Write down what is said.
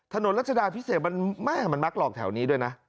ถนนรัชดาพิเศษมันมักหลอกแถวนี้ด้วยนะ